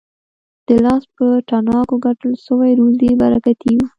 د لاس په تڼاکو ګټل سوې روزي برکتي وي.